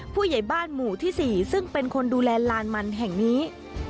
ผู้ใหญ่บ้านหมู่ที่๔ซึ่งเป็นคนดูแลลานมันแห่งนี้